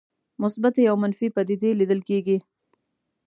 مثبتې او منفي پدیدې لیدل کېږي.